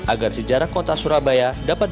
agar sejarah kota surabaya bisa berjalan ke kota surabaya